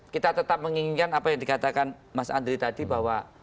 kita tetap menginginkan apa yang dikatakan mas andri tadi bahwa